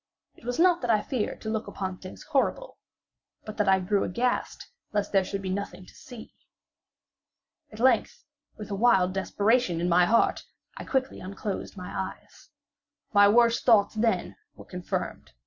It was not that I feared to look upon things horrible, but that I grew aghast lest there should be nothing to see. At length, with a wild desperation at heart, I quickly unclosed my eyes. My worst thoughts, then, were confirmed.